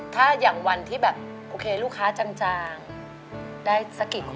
ถ้าอย่างวันที่แบบโอเคลูกค้าจางได้สักกี่คน